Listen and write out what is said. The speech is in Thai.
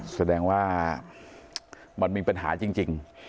แสดงว่ามันมีปัญหาจริง